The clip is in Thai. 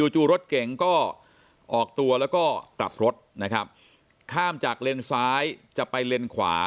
จู่รถเก๋งก็ออกตัวแล้วก็กลับรถนะครับข้ามจากเลนซ้ายจะไปเลนขวา